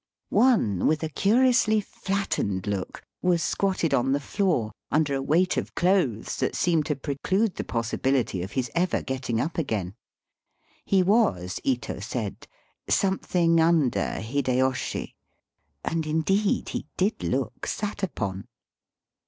One, with a curiously Digitized by VjOOQIC TEMPLES AND WOBSHIPPEBS. 85 flattened look^ was squatted on the floor, under a weight of clothes that seemed to preclude the possibiHty of his ever getting up again. He was, Ito said, " something under Hide yoshi," and indeed he did look sat upon.